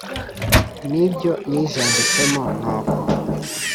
n’ibyo nijanditsemo ni uko